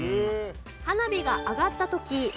花火が上がった時。